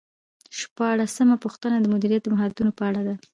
شپاړسمه پوښتنه د مدیریت د مهارتونو په اړه ده.